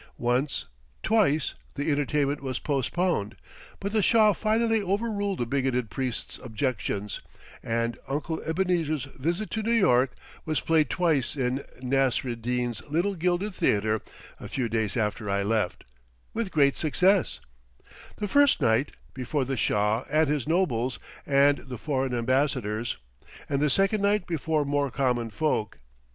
Once, twice, the entertainment was postponed; but the Shah finally overruled the bigoted priests' objections, and "Uncle Ebenezer's Visit to New York" was played twice in Nasr e Deen's little gilded theatre a few days after I left, with great success; the first night, before the Shah and his nobles and the foreign ambassadors, and the second night before more common folk.